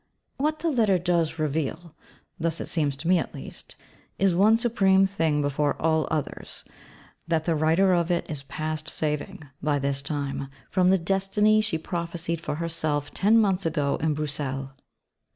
What the letter does reveal (thus it seems to me at least) is one supreme thing before all others: that the writer of it is past saving, by this time, from the destiny she prophesied for herself ten months ago in Bruxelles.